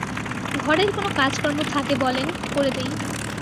ঘরের কোনো কাজকর্ম থাকে বলেন, করে দেই।